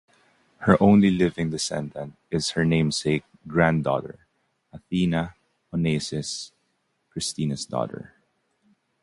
Her only living descendant is her namesake granddaughter, Athina Onassis, Christina's daughter.